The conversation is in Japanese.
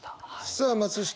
さあ松下